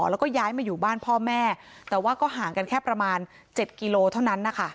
แล้วก็ย้ายมาอยู่บ้านพ่อแม่แต่ว่าก็ห่างกันแค่ประมาณ๗กิโลเท่านั้นนะคะ